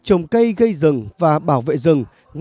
có nhiều vấn đề cộng đồng